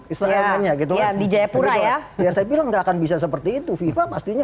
israel lainnya gitu yang bijaya pura ya ya saya bilang gak akan bisa seperti itu fifa pastinya